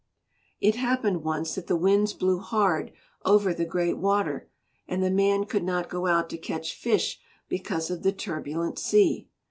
It happened once that the winds blew hard over the Great Water and the man could not go out to catch fish because of the turbulent sea.